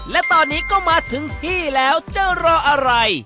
และตอนนี้ก็มาถึงที่แล้วจะรออะไร